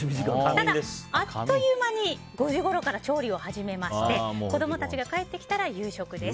ただ、あっという間に５時ごろから調理を始めまして子供たちが帰ってきたら夕食です。